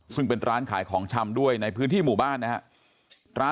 ซึ่งเป็นร้านขายของชำด้วยในพื้นที่หมู่บ้านนะครับ